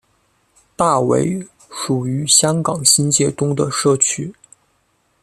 大围属于香港新界东的社区。